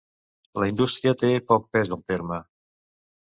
La indústria té poc pes al terme.